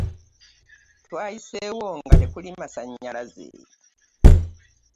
Twayiseewo nga tekuli masannyalaze.